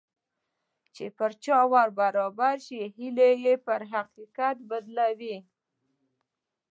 چې په چا ور برابر شي هيلې يې پر حقيقت بدلوي.